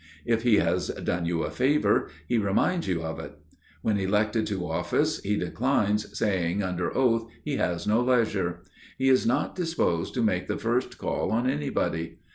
If he has done you a favor, he reminds you of it. When elected to office he declines, saying under oath he has no leisure. He is not disposed to make the first call on anybody.